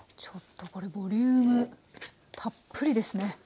ちょっとこれボリュームたっぷりですね。